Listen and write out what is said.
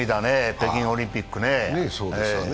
北京オリンピックね。